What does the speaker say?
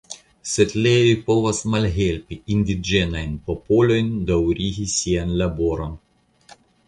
Setlejoj povas malhelpi indiĝenajn popolojn daŭrigi sian laboron.